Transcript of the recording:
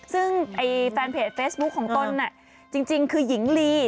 ซึ่งแฟนเพจเฟซบุ๊คของตนจริงคือหญิงลี